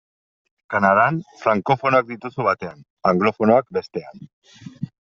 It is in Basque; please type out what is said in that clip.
Kanadan, frankofonoak dituzu batean, anglofonoak bestean.